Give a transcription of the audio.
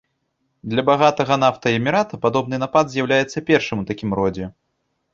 Для багатага нафтай эмірата падобны напад з'яўляецца першым у такім родзе.